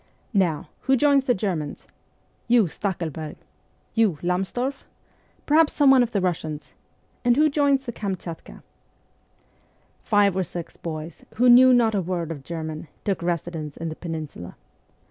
Now, who joins the Germans? You, Stackelberg? You, Lamsdorf ? Perhaps some one of the Russians ? And who joins the Kamchatka ?' Five or six boys, who knew not a word of German, took residence in the peninsula.